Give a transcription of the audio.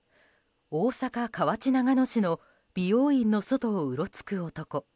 大阪・河内長野市の美容院の外をうろつく男。